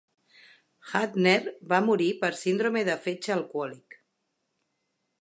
Hartnett va morir per síndrome del fetge alcohòlic.